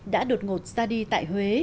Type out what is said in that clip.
đã đột ngột ra đi tại huế